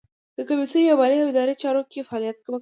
د کمیسیون په مالي او اداري چارو کې فعالیت کوي.